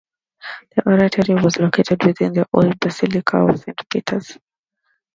The Oratory was located within the Old basilica of Saint Peter.